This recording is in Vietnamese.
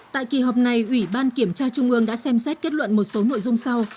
tại kỳ họp này ủy ban kiểm tra trung ương đã xem xét kết luận một số nội dung sau